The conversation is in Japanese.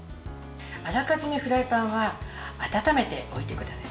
あらかじめ、フライパンは温めておいてください。